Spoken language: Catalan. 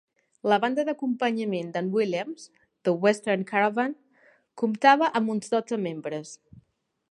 La banda d'acompanyament d'en Williams, The Western Caravan, comptava amb uns dotze membres.